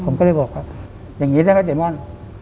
ผมก็เลยบอกว่าอย่างนี้ได้ไหมเดมอน